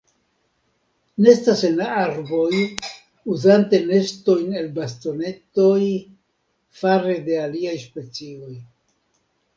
Nestas en arboj, uzante nestojn el bastonetoj fare de aliaj specioj.